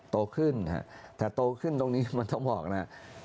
โตขึ้นแต่โตขึ้นตรงนี้มันต้องบอกนะ